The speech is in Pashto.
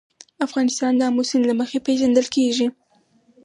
افغانستان د آمو سیند له مخې پېژندل کېږي.